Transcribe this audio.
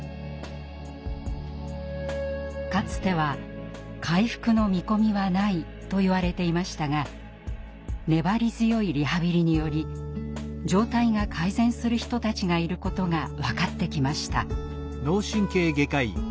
かつては「回復の見込みはない」といわれていましたが粘り強いリハビリにより状態が改善する人たちがいることが分かってきました。